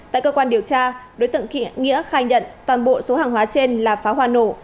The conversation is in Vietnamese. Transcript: tại cơ quan điều tra đối tượng kỵ nghĩa khai nhận toàn bộ số hàng hóa trên là pháo hoa nổ